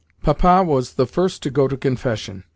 Papa was the first to go to confession.